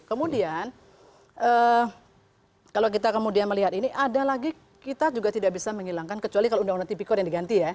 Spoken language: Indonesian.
kemudian kalau kita kemudian melihat ini ada lagi kita juga tidak bisa menghilangkan kecuali kalau undang undang tipikor yang diganti ya